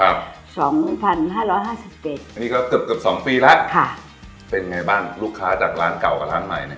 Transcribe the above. อันนี้ก็เกือบ๒ปีแล้วเป็นไงบ้างลูกค้าจากร้านเก่ากับร้านใหม่